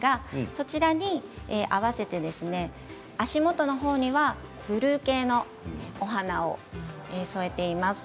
そちらに合わせて足元の方にはブルー系のお花を添えています。